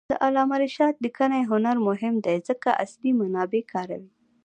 د علامه رشاد لیکنی هنر مهم دی ځکه چې اصلي منابع کاروي.